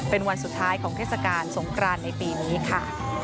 เป็นวันสุดท้ายของเทศกาลสงครานในปีนี้ค่ะ